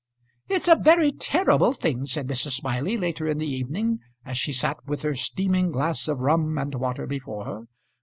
"It's a very terrible thing," said Mrs. Smiley, later in the evening, as she sat with her steaming glass of rum and water before her.